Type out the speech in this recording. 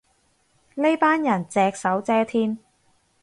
呢班人隻手遮天